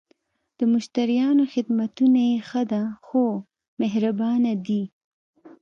د مشتریانو خدمتونه یی ښه ده؟ هو، مهربانه دي